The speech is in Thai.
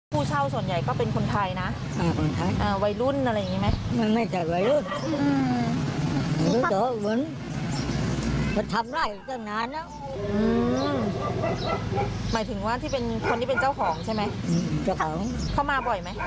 ผู้เช่าส่วนใหญ่ก็เป็นคนไทยนะ